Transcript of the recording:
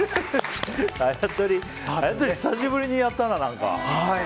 あやとり、久しぶりにやったな。